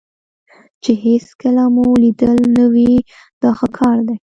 چې هېڅکله مو لیدلی نه وي دا ښه کار دی.